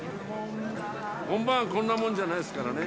本番はこんなもんじゃないですからね。